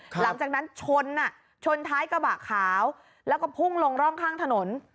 หลังจากนั้นชนอ่ะชนชนท้ายกระบะขาวแล้วก็พุ่งลงร่องข้างถนน